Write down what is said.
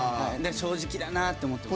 正直だなって思ってます。